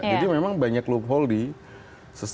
jadi memang banyak loophole di sistem hukum kita